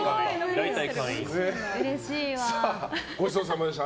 ごちそうさまでした。